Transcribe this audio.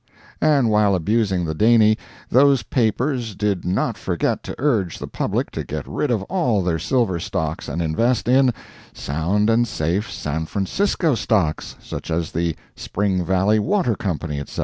And while abusing the Daney, those papers did not forget to urge the public to get rid of all their silver stocks and invest in sound and safe San Francisco stocks, such as the Spring Valley Water Company, etc.